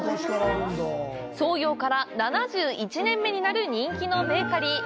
創業から７１年目になる人気のベーカリー。